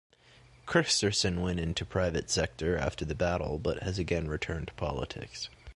Kristersson went into private sector after the battle but has again returned to politics.